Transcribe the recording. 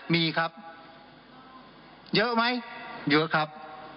มีครับเยอะไหมเยอะครับ